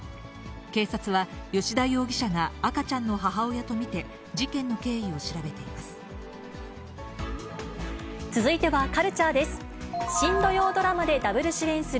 警察は吉田容疑者が赤ちゃんの母親と見て、事件の経緯を調べてい続いてはカルチャーです。